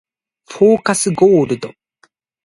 フォーカスゴールド